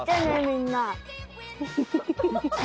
みんな。